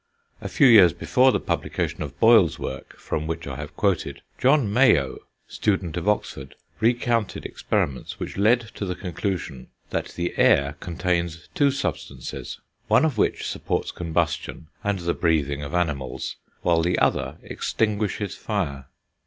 A few years before the publication of Boyle's work, from which I have quoted, John Mayow, student of Oxford, recounted experiments which led to the conclusion that the air contains two substances, one of which supports combustion and the breathing of animals, while the other extinguishes fire.